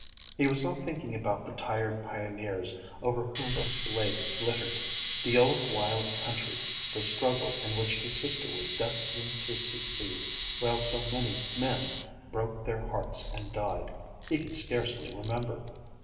He was not thinking about the tired pioneers over whom his blade glittered. The old wild country, the struggle in which his sister was destined to succeed while so many men broke their hearts and died, he can scarcely remember.